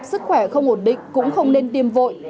sức khỏe không ổn định cũng không nên tiêm vội